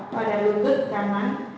pada lutut kanan